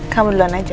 kamu duluan aja